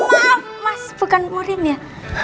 maaf mas bukan urin ya